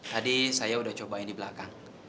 tadi saya udah cobain di belakang